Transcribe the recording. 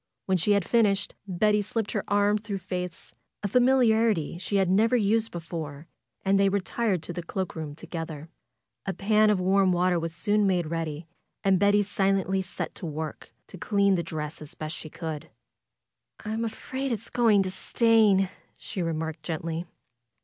When she had finished Betty slipped her arm through Faith's, a familiarity she had never used before, and they retired to the cloak room together. A pan of warm water was soon made ready and Betty silently set to work to clean the dress as best she could. "I'm afraid it's going to stain," she remarked, gently.